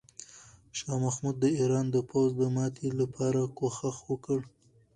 شاه محمود د ایران د پوځ د ماتې لپاره کوښښ وکړ.